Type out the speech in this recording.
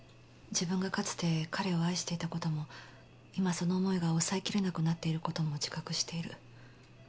自分がかつて彼を愛していたことも今その思いが抑えきれなくなっていることも自覚している。